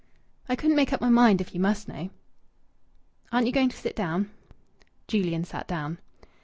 "I couldn't make up my mind, if you must know." "Aren't you going to sit down?" Julian sat down.